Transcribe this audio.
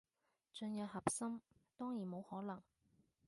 進入核心，當然冇可能